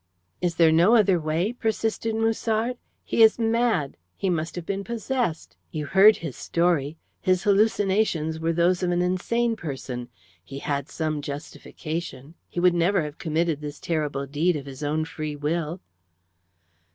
"Is there no other way?" persisted Musard. "He is mad. He must have been possessed. You heard his story; his hallucinations were those of an insane person. He had some justification. He would never have committed this terrible deed of his own free will."